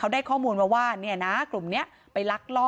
ได้ข้อมูลมาว่าเนี่ยนะกลุ่มนี้ไปลักล่อ